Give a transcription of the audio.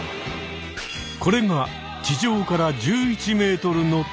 これが地上から１１ｍの高さ。